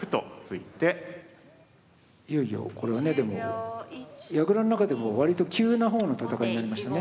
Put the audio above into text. いよいよこれはねでも矢倉の中でも割と急な方の戦いになりましたね。